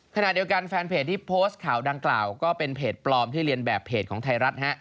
ขณะเดียวกันแฟนเพจที่โพสต์ข่าวดังกล่าวก็เป็นเพจปลอมที่เรียนแบบเพจของไทยรัฐ